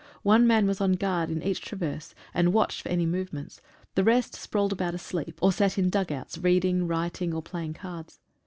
One man was on guard in each traverse, and watched for any movements, the rest sprawled about asleep, or sat in dug outs, writing, reading, or playing cards.